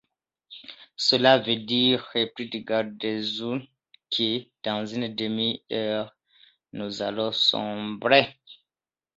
Cela veut dire, reprit Galdeazun, que dans une demi-heure nous allons sombrer.